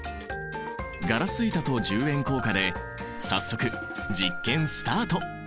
ガラス板と１０円硬貨で早速実験スタート！